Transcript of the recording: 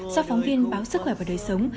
do phóng viên báo sức khỏe và đời sống